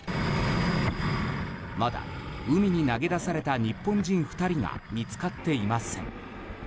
まだ海に投げ出された日本人２人が見つかっていません。